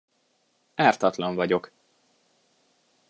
Ártatlan vagyok!